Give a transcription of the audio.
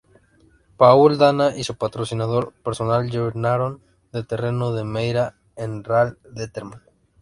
Paul Dana y su patrocinador personal llenaron de terreno de Meira en Rahal Letterman.